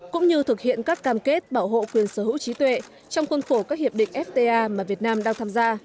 cũng như thực hiện các cam kết bảo hộ quyền sở hữu trí tuệ trong khuôn khổ các hiệp định fta mà việt nam đang tham gia